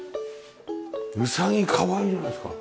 うさぎかわいいじゃないですか。